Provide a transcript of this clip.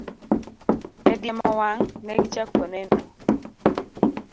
E diemo wang', ne gichako neno!